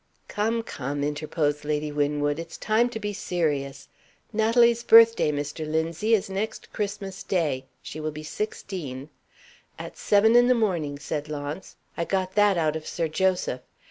"Come! come!" interposed Lady Winwood. "It's time to be serious. Natalie's birthday, Mr. Linzie, is next Christmas day. She will be sixteen " "At seven in the morning," said Launce; "I got that out of Sir Joseph.